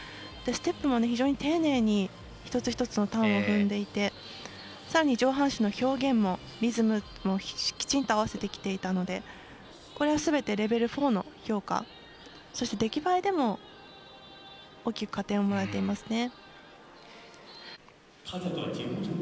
ステップも非常に丁寧に一つ一つのターンを踏んでいてさらに上半身の表現もリズムもきちんと合わせてきていたのでこれはすべてレベル４の評価そして、出来栄えでも大きく加点をもらっています。